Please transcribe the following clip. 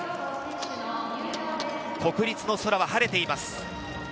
国立の空は晴れています。